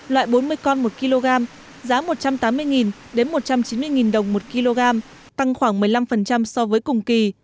loại bốn mươi con một kg giá một trăm tám mươi đến một trăm chín mươi đồng một kg tăng khoảng một mươi năm so với cùng kỳ